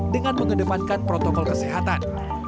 dengan mengedepankan protokol kesehatan